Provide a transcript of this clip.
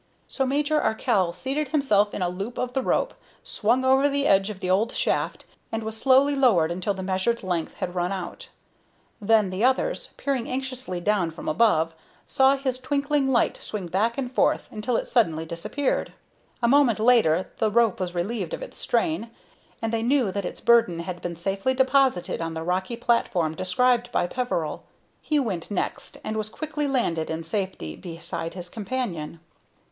So Major Arkell seated himself in a loop of the rope, swung over the edge of the old shaft, and was slowly lowered until the measured length had run out. Then the others, peering anxiously down from above, saw his twinkling light swing back and forth until it suddenly disappeared. A moment later the rope was relieved of its strain, and they knew that its burden had been safely deposited on the rocky platform described by Peveril. He went next, and was quickly landed in safety beside his companion.